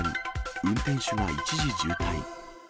運転手が一時重体。